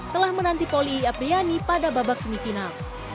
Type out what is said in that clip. telah menanti poli apriani pada babak semifinal